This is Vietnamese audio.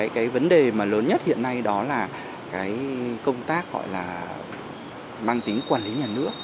cái vấn đề mà lớn nhất hiện nay đó là cái công tác gọi là mang tính quản lý nhà nước